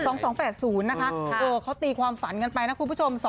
๒๒๘๐นะคะเขาตีความฝันกันไปนะคุณผู้ชม